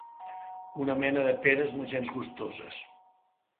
Una mena de peres no gens gustoses.